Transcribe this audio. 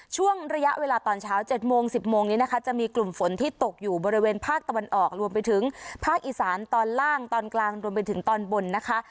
ช่วงระยะเวลาตอนเช้า๗โมง๑๐โมงนี้นะคะจะมีกลุ่มฝนที่ตกอยู่บริเวณภาคตะวันออกรวมไปถึงภาคอีสานตอนล่างตอนกลางรวมไปถึงตอนบนนะคะ